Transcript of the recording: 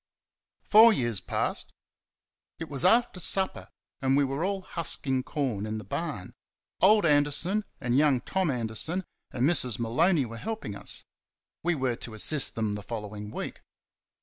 Four years passed. It was after supper, and we were all husking corn in the barn. Old Anderson and young Tom Anderson and Mrs. Maloney were helping us. We were to assist them the following week.